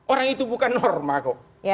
orang itu bukan norma kok